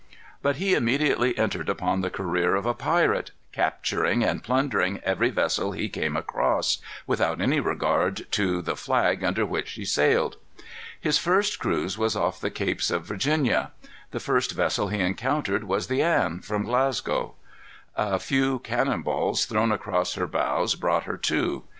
But he immediately entered upon the career of a pirate, capturing and plundering every vessel he came across, without any regard to the flag under which she sailed. His first cruise was off the Capes of Virginia. The first vessel he encountered was the Anne, from Glasgow. A few cannon balls thrown across her bows brought her to.